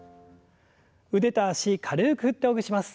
腕と脚軽く振ってほぐします。